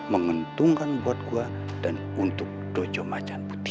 mengentungkan buat gue dan untuk dojo majan putih